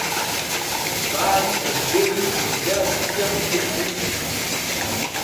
Baali e be’i e jara diyam ley ɗon.